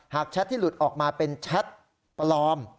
หากชัดที่หลุดออกมาเป็นชัดปลอม